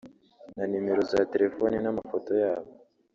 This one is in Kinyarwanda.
na numero za telefoni n’amafoto yabo